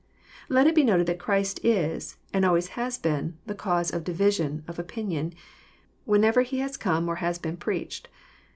Let it be noted that Christ is, and always has been, the canse of division of opinion, whenever He has come or has been preached.